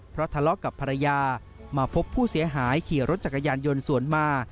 เพราะทะเลาะกับภรรยามาพบผู้เสียหายขี่รถจักรยานยนต์สวนมา